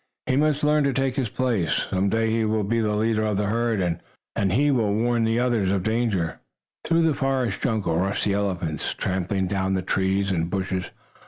"He must learn to take his place. Some day he will be the leader of the herd, and will warn the others of danger." Through the forest jungle rushed the elephants, trampling down the trees and bushes.